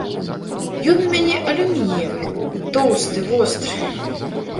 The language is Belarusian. Ён у мяне алюмініевы, тоўсты, востры.